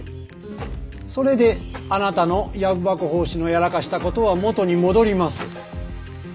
それであなたの「藪箱法師」のやらかしたことは元に戻ります。